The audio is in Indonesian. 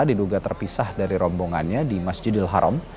diduga terpisah dari rombongannya di masjidil haram